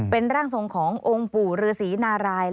เป็นร่างทรงขององค์ปู่รือศรีนารายย์